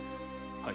はい。